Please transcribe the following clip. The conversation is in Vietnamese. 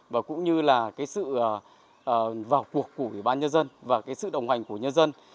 và cũng như là sự vào cuộc của ủy ban nhân dân và sự đồng hành của nhân dân